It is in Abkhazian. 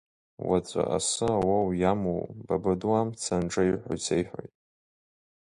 Уаҵәы асы ауоу иамуоу, Бабаду амца анҿеиҳәо исеиҳәоит!